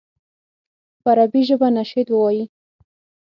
په عربي ژبه نشید ووایي.